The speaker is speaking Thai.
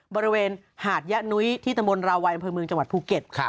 บริเวณหาดยะนุ้ยที่ตำบลราวัยอำเภอเมืองจังหวัดภูเก็ต